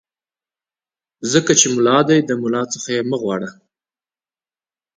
ځکه چې ملا دی له ملا څخه څه مه غواړه.